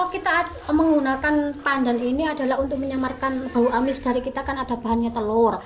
kita menggunakan pandan ini adalah untuk menyamarkan bau amis dari kita kan ada bahannya telur